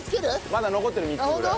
まだ残ってる３つぐらい。